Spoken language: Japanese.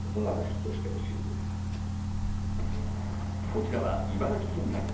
こちらは、茨城県内。